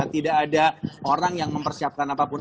tidak ada orang yang mempersiapkan apapun